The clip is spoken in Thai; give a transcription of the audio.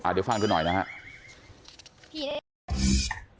เดี๋ยวฟังด้วยหน่อยนะฮะ